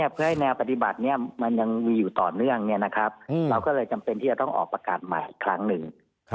เพื่อให้แนวปฏิบัตินี้มันยังมีอยู่ต่อเนื่องเราก็เลยจำเป็นที่จะต้องออกประกาศใหม่อีกครั้งหนึ่ง